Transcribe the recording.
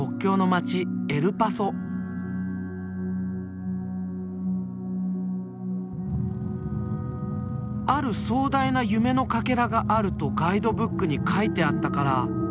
ある壮大な夢のかけらがあるとガイドブックに書いてあったから。